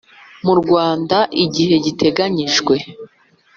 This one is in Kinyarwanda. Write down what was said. Mu rwanda igihe giteganyijwe